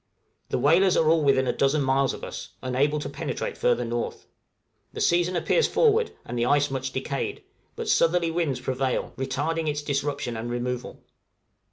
The whalers are all within a dozen miles of us, unable to penetrate further north. The season appears forward, and the ice much decayed; but southerly winds prevail, retarding its disruption and removal.